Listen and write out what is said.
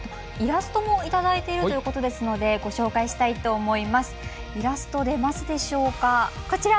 イラストもいただいているということですのでご紹介したいと思います。